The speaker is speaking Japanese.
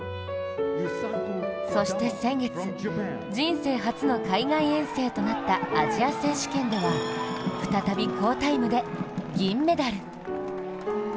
そして先月、人生初の海外遠征となったアジア選手権では再び好タイムで銀メダル。